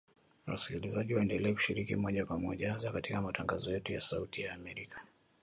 Wasikilizaji waendelea kushiriki moja kwa moja hasa katika matangazo yetu ya sauti ya Amerika